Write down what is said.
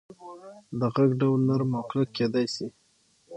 د غږ ډول نرم او کلک کېدی سي.